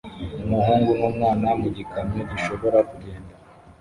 Umuhungu n'umwana mu gikamyo gishobora kugenda